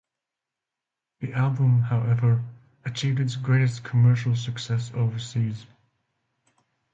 The album, however, achieved its greatest commercial success overseas.